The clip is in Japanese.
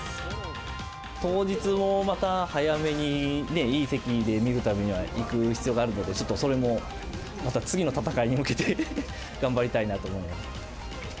当日もまた早めに、ね、いい席で見るためには、行く必要があるので、ちょっとそれもまた次の戦いに向けて、頑張りたいなと思います。